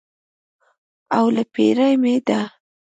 اوله پېره مې ده.